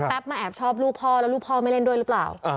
มาแอบชอบลูกพ่อแล้วลูกพ่อไม่เล่นด้วยหรือเปล่า